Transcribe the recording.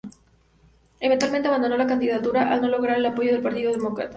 Eventualmente abandonó la candidatura al no lograr el apoyo del partido demócrata.